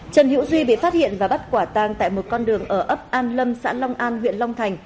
trần hữu duy bị phát hiện và bắt quả tang tại một con đường ở ấp an lâm xã long an huyện long thành